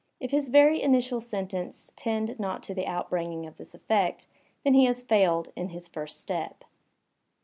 If his very initial sentence tend not to the outbringing of this effect, then he has failed in his first step."